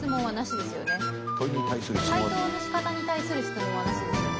解答のしかたに対する質問はなしですよね？